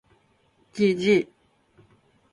gg